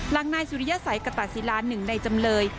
หลังนายสุริยสัยกตะศิลาหนึ่งในจำเลย